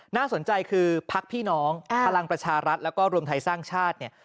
น่าสนใจคือพักพี่น้องพลังประชารัฐแล้วก็รวมไทยสร้างชาติเนี่ย